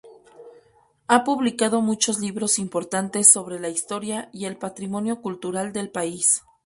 Ha publicado muchos libros importantes sobre la historia y el patrimonio cultural del país.